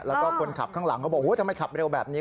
แล้วก็คนขับข้างหลังเขาบอกทำไมขับเร็วแบบนี้